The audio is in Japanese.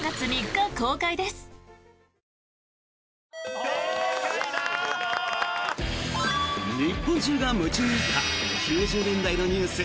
日本中が夢中になった９０年代のニュース